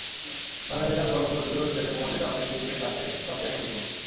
নয়নাভিরাম golf কোর্সগুলোর প্রেমে মজে যাওয়া সিদ্দিকুরের কাছে গলফই এখন জীবন।